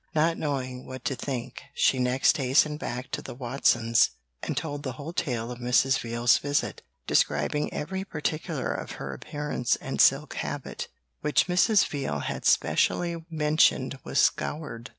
Not knowing what to think, she next hastened back to the Watsons, and told the whole tale of Mrs. Veal's visit, describing every particular of her appearance and silk habit, which Mrs. Veal had specially mentioned was scoured.